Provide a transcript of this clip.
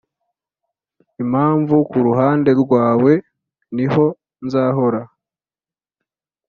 impamvu kuruhande rwawe niho nzahora